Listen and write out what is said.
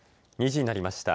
２時になりました。